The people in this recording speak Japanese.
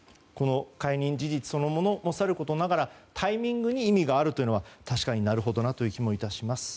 解任事実もさることながらタイミングに意味があるというのは確かになるほどなという気が致します。